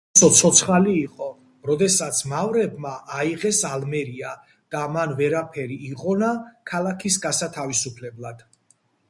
ალფონსო ცოცხალი იყო, როდესაც მავრებმა აიღეს ალმერია, და მან ვერაფერი იღონა ქალაქის გასათავისუფლებლად.